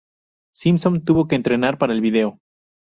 Simpson tuvo que entrenar para el vídeo.